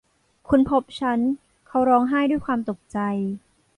คุณพบฉัน ! เขาร้องไห้ด้วยความตกใจ